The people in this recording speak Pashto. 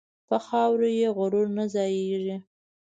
په خاورو کې غرور نه ځایېږي.